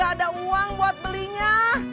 tapi gak ada uang buat belinya